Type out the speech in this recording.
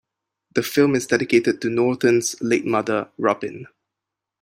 The film is dedicated to Norton's late mother, Robin.